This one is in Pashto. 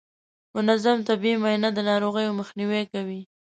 منظم طبي معاینه د ناروغیو مخنیوی کوي.